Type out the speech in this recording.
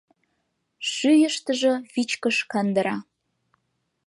Шӱйыштыжӧ вичкыж кандыра.